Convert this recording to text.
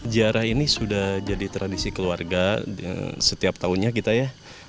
ziarah ini sudah jadi tradisi keluarga setiap tahunnya kita ya